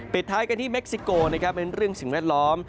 ปิดท้ายกันที่เม็กซิโกเป็นเรื่องสิ่งแวดล้อม